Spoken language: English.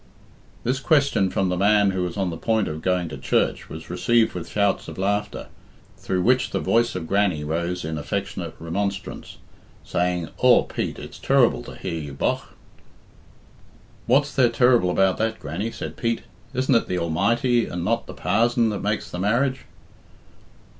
This question from the man who was on the point of going to church was received with shouts of laughter, through which the voice of Grannie rose in affectionate remonstrance, saying, "Aw, Pete, it's ter'ble to hear you, bogh." "What's there ter'ble about that, Grannie?" said Pete. "Isn't it the Almighty and not the parzon that makes the marriage?"